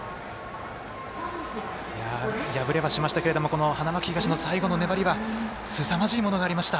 敗れはしましたが花巻東の最後の粘りはすさまじいものがありました。